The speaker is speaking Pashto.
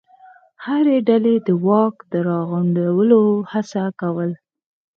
هرې ډلې د واک د راغونډولو هڅه کوله.